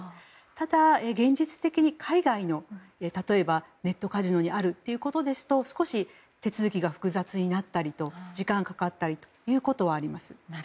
ただ、現実的に海外のネットカジノにあるということですと少し、手続きが複雑になったり時間がかかったりということはあります。